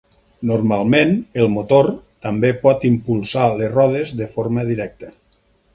Normalment, el motor també pot impulsar les rodes de forma directa.